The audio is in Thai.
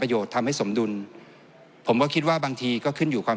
ทำให้สมดุลผมก็คิดว่าบางทีก็ขึ้นอยู่ความ